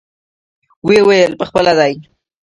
ويې ويل پخپله دى.